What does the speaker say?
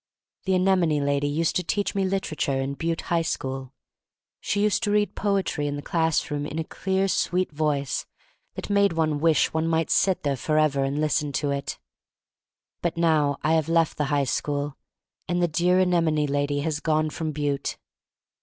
The anemone lady used to teach me literature in the Butte High School. She used to read poetry in the class room in a clear, sweet voice that made ^ne wish one might sit there forever and listen to it. But now I have left the high school, and the dear anemone lady has gone from Butte.